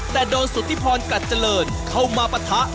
แต่โดนสุธิพรกลัดเจริญเข้ามาปะทะ